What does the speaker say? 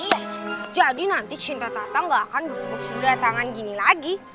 yes jadi nanti cinta tata nggak akan berdua cukup sebelah tangan gini lagi